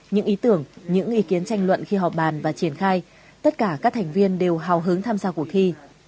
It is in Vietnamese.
những ý tưởng những ý kiến tranh luận khi họp bàn và triển khai tất cả các thành viên đều hào hứng tham gia cuộc thi